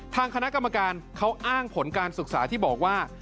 ทางคณะกรรมการเขาอ้างผลการศึกษาที่บอกว่า